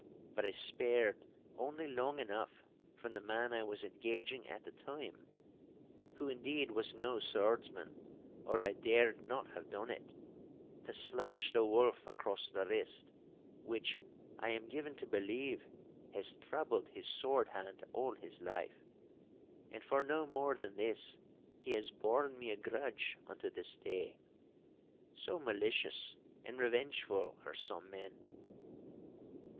But I spared only long enough from the man I was engaging at the time (who indeed was no swordsman or I dared not have done it) to slash the Wolf across the wrist, which, I am given to believe, has troubled his sword hand all his life—and for no more than this he has borne me a grudge unto this day, so malicious and revengeful are some men.